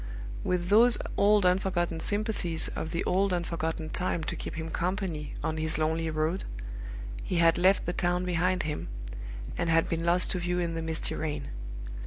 With those old unforgotten sympathies of the old unforgotten time to keep him company on his lonely road, he had left the town behind him, and had been lost to view in the misty rain.